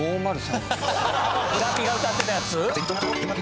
ブラピが歌ってたやつ？